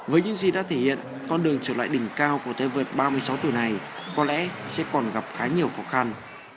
với những gì đã thể hiện con đường trở lại đỉnh cao của tay vợt ba mươi sáu tuổi này có lẽ sẽ còn gặp khá nhiều khó khăn